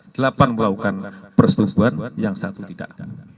delapan melakukan persetubuhan yang satu tidak